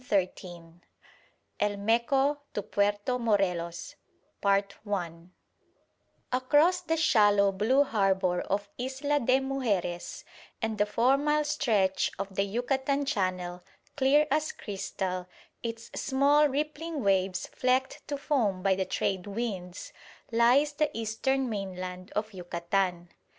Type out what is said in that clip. CHAPTER IX EL MECO TO PUERTO MORELOS Across the shallow blue harbour of Isla de Mujeres and a four mile stretch of the Yucatan Channel, clear as crystal, its small rippling waves flecked to foam by the trade winds, lies the eastern mainland of Yucatan.